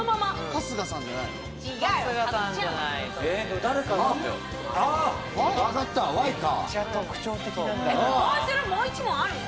春日さんじゃないですね。